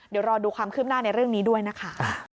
เดี๋ยวรอดูความคืบหน้าในเรื่องนี้ด้วยนะคะ